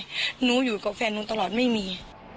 หนูอยู่กับแฟนหนูตลอดไม่มี